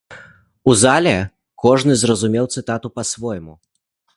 У зале кожны зразумеў цытату па-свойму.